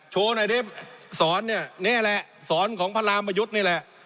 โชว์หน่อยดิสอนเนี่ยนี่แหละสอนของพระรามประยุทธ์นี่แหละ